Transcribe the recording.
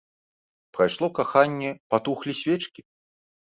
Прайшло каханне, патухлі свечкі?